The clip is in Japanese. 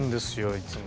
いつも。